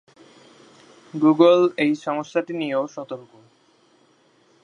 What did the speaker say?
Google এই সমস্যাটি নিয়েও সতর্ক।